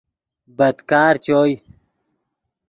بدکار چوئے